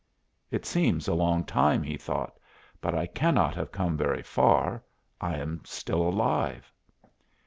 "It seems a long time," he thought, "but I cannot have come very far; I am still alive."